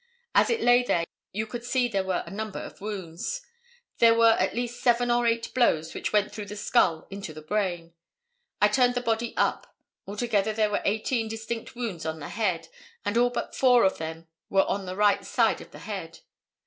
As it lay there you could see there were a number of wounds. There were at least seven or eight blows which went through the skull into the brain. I turned the body up. Altogether there were eighteen distinct wounds on the head, and all but four of them were on the right side of the head.